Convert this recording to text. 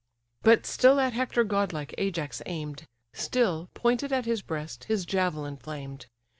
But still at Hector godlike Ajax aim'd, Still, pointed at his breast, his javelin flamed.